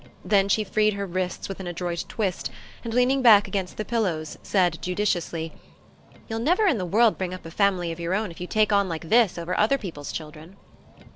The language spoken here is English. Then she freed her wrists with an adroit twist, and leaning back against the pillows said judiciously: "You'll never in the world bring up a family of your own if you take on like this over other people's children."